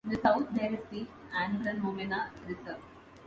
In the South there is the Andranomena Reserve.